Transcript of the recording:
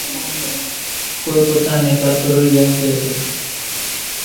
ڪونئين پوتا نين ڪاتروڙِيا ڪيَ سي۔